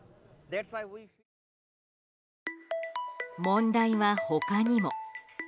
問題は他にも。